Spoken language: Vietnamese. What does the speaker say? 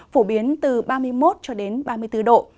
phổ biến từ ba mươi một ba mươi bốn độ